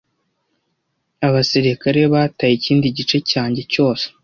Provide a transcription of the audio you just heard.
Abasirikare bataye ikindi gice cyanjye cyose,